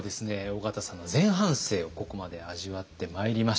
緒方さんの前半生をここまで味わってまいりました。